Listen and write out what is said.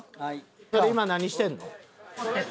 それ今何してんの？